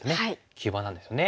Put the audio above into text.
急場なんですね。